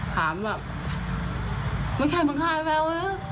ถามแบบไม่ใช่มันฆ่าแววเหรอ